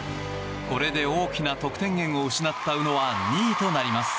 これで大きな得点源を失った宇野は２位となります。